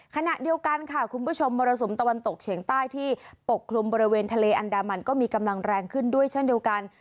ขณะเดียวกันค่ะคุณผู้ชมมรสุมตะวันตกเฉียงใต้ที่ปกคลุมบริเวณทะเลอันดามันก็มีกำลังแรงขึ้นด้วยเช่นเดียวกัน